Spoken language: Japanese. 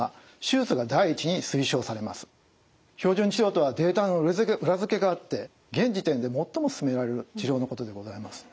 標準治療とはデータの裏づけがあって現時点で最も勧められる治療のことでございます。